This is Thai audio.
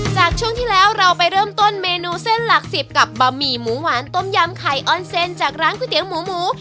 ช่วงที่แล้วเราไปเริ่มต้นเมนูเส้นหลัก๑๐กับบะหมี่หมูหวานต้มยำไข่ออนเซนจากร้านก๋วยเตี๋ยวหมูหมู